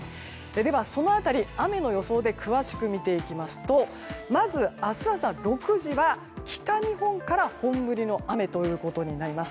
ではその辺り、雨の予想で詳しく見ていきますとまず、明日朝６時は北日本から本降りの雨となります。